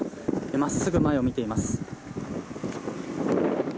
真っすぐ前を見ています。